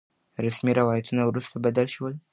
رسمي روايتونه وروسته بدل شول.